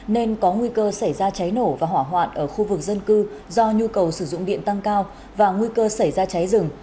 nên có nguy cơ xảy ra cháy nổ và hỏa hoạn ở khu vực dân cư do nhu cầu sử dụng điện tăng cao và nguy cơ xảy ra cháy rừng